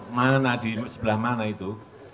mana di sebelah mana itu